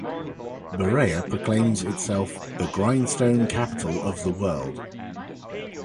Berea proclaims itself "The Grindstone Capital of the World".